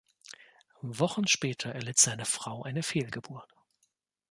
Wochen später erlitt seine Frau eine Fehlgeburt.